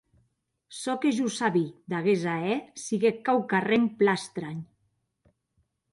Çò que jo sabí d’aguest ahèr siguec quauquarren plan estranh.